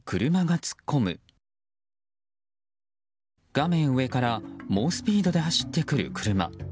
画面上から猛スピードで走ってくる車。